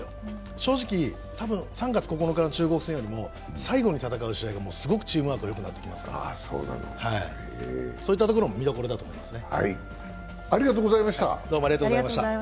正直、たぶん３月９日の中国戦よりも最後に戦う試合はもうすごくチームワークがよくなってきますから、そういったところも見どころだと思いますね。